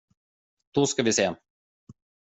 Då ska vi se.